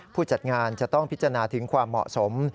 ผู้จัดงานจะต้องพิจารณาถึงความเหมาะสม